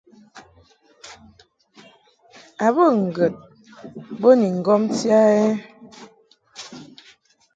A bə ŋgəd bo ni ŋgomti a ɛ ?